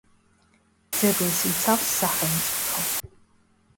ძეგლს იცავს სახელმწიფო.